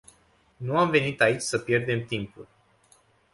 Nu am venit aici să pierdem timpul.